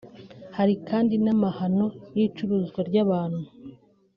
Hari kandi n’amahano y’icuruzwa ry’abantu